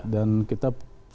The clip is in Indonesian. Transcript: dan kita harus mengerti